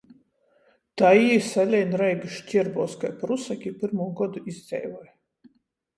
Tai jī salein Reigys škierbuos kai prusaki i pyrmū godu izdzeivoj.